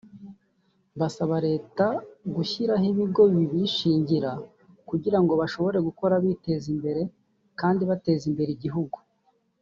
Basaba Leta gushyiraho ibigo bibishingira kugira ngo bashobore gukora biteza imbere kandi bateza imbere igihugu